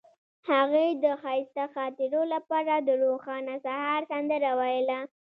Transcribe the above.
هغې د ښایسته خاطرو لپاره د روښانه سهار سندره ویله.